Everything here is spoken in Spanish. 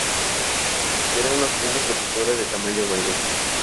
Requiere una funda protectora de tamaño mayor.